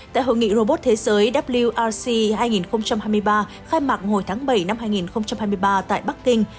tại hội nghị robot thế giới wrc hai nghìn hai mươi ba khai mạc hồi tháng bảy năm hai nghìn hai mươi ba tại bắc kinh